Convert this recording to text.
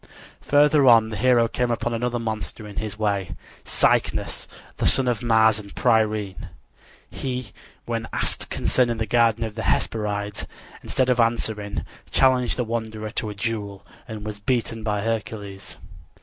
Farther on the hero came upon another monster in his way Cycnus, the son of Mars and Pyrene. He, when asked concerning the garden of the Hesperides, instead of answering, challenged the wanderer to a duel, and was beaten by Hercules.